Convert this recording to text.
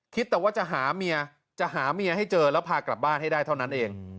แต่ว่าจะหาเมียจะหาเมียให้เจอแล้วพากลับบ้านให้ได้เท่านั้นเอง